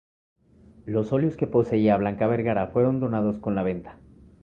Los óleos que poseía Blanca Vergara fueron donados con la venta.